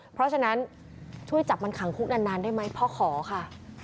เพราะฉะนั้นช่วยจับมันขังคุกนานได้ไหมพ่อขอค่ะ